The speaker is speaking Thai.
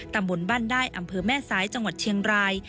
ตำบลบ้านได้อำเภอแม่สายจังหวัดเชียงราย